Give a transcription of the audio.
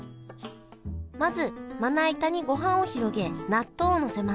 まずまな板にごはんを広げ納豆をのせます。